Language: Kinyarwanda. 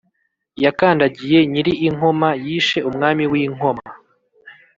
Yakandagiye Nyiri i Nkoma: yishe umwami w’i Nkoma.